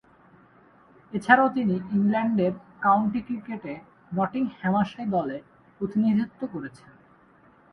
এছাড়াও তিনি ইংল্যান্ডের কাউন্টি ক্রিকেটে নটিংহ্যামশায়ার দলে প্রতিনিধিত্ব করছেন।